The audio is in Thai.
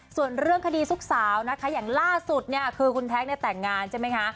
ส่วนเรื่องคดีซุกสาวนะคะอย่างล่าสุดเนี่ยคือคุณแท็กเนี่ยแต่งงานใช่ไหมคะ